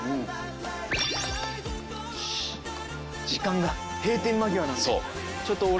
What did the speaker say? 時間が閉店間際なんで。